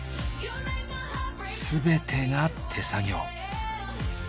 全てが手作業。